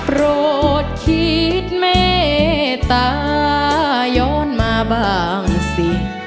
โปรดคิดแม่ตาย้อนมาบ้างสิ